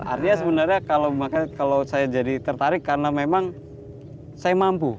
artinya sebenarnya kalau saya jadi tertarik karena memang saya mampu